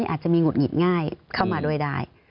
อาจจะมีหงุดหงิดง่ายเข้ามาโดยดาย